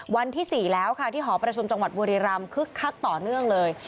วันที่๔แล้วค่ะที่หอประชุมจังหวัดบุรีรำคึกคักต่อเนื่องเลย